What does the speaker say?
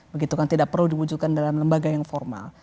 begitu kan tidak perlu diwujudkan dalam lembaga yang formal